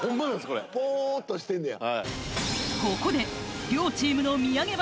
これポーッとしてんねや